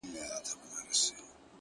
• چي جومات یې په خپل ژوند نه وو لیدلی ,